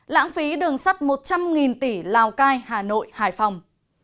lãng phí đường sắt một trăm linh tỷ lào cai hà nội hải phòng